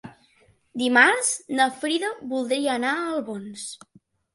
Dimarts na Frida voldria anar a Albons.